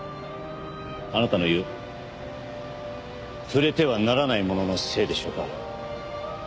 あなたの言う「触れてはならないもの」のせいでしょうか？